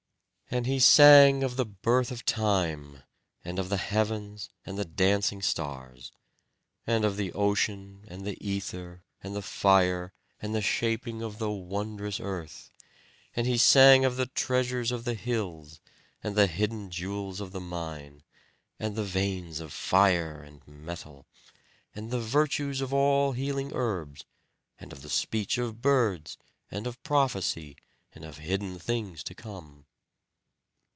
And he sang of the birth of Time, and of the heavens and the dancing stars; and of the ocean, and the ether, and the fire, and the shaping of the wondrous earth. And he sang of the treasures of the hills, and the hidden jewels of the mine, and the veins of fire and metal, and the virtues of all healing herbs, and of the speech of birds, and of prophecy, and of hidden things to come.